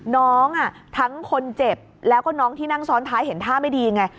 น้องทั้งคนเจ็บแล้วก็น้องที่นั่งซ้อนท้ายเห็นท่าไม่ดีไง